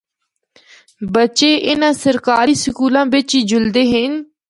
بچے اناں سرکاری سکولاں بچ ای جُلدے ہن۔